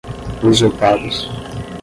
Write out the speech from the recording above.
usurpados